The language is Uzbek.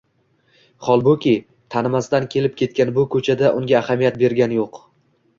Holbuki, tanimasdan kelib-ketgan bu ko'chada unga ahamiyat bergan yo'q.